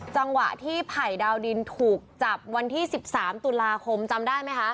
จังหวะที่ไผ่ดาวดินถูกจับวันที่๑๓ตุลาคมจำได้ไหมคะ